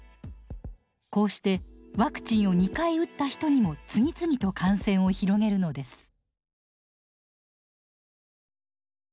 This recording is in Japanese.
こうしてワクチンを２回打った人にも次々と感染を広げるのです。